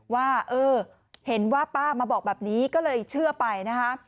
ว่าเออเห็นว่าป้ามาบอกแบบนี้ก็เลยเชื่อไปนะคะ